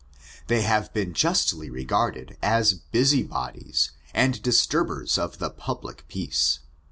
They have been justly regarded as busy bodies, and disturbers of the public peace.